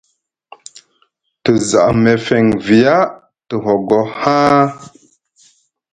Te za mefeŋ via te hogo haa.